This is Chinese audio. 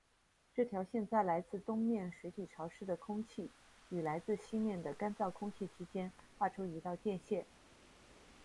这条线在来自东面水体潮湿的空气与来自西面的干燥空气之间划出一道界限。